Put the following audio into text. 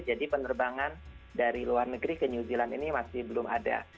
jadi penerbangan dari luar negeri ke new zealand ini masih belum ada